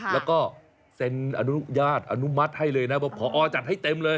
แล้วก็เซ็นอนุญาตอนุมัติให้เลยนะว่าพอจัดให้เต็มเลย